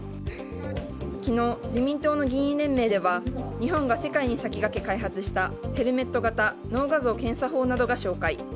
昨日、自民党の議員連盟では日本が世界に先駆け開発したヘルメット型脳画像検査法などが紹介。